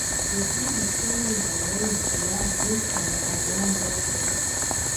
د دې لیکونو لړۍ دوه درې کاله دوام وکړ.